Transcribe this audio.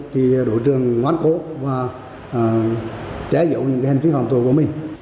thì đối tượng ngoan khổ và trẻ dụng những cái hình thức hoàn tồn của mình